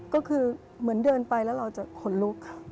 ก็คือเหมือนเดินไปแล้วเราจะขนลุก